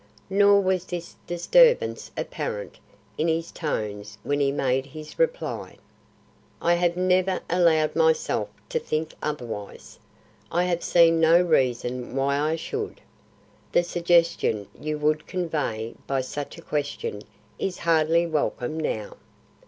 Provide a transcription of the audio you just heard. Nor was this disturbance apparent in his tones when he made his reply: "I have never allowed myself to think otherwise. I have seen no reason why I should. The suggestion you would convey by such a question is hardly welcome, now.